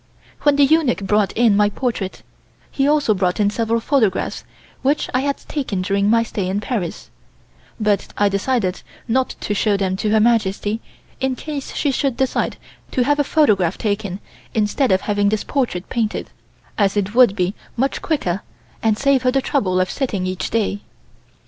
When the eunuch brought in my portrait, he also brought in several photographs which I had had taken during my stay in Paris, but I decided not to show them to Her Majesty in case she should decide to have a photograph taken instead of having this portrait painted, as it would be much quicker and save her the trouble of sitting each day.